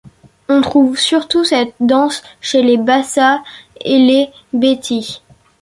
On trouve surtout cette danse chez les Bassa et les Betis.